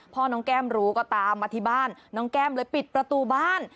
พ่อน้องแก้มรู้ก็ตามมาที่บ้านน้องแก้มเลยปิดประตูบ้าน